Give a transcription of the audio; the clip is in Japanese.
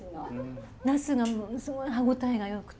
ナスがものすごい歯応えがよくて。